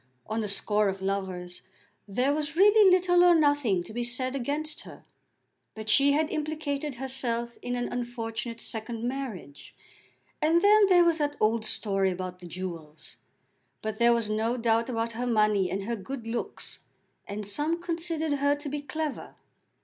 On the score of lovers there was really little or nothing to be said against her; but she had implicated herself in an unfortunate second marriage, and then there was that old story about the jewels! But there was no doubt about her money and her good looks, and some considered her to be clever.